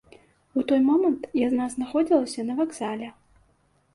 У той момант яна знаходзілася на вакзале.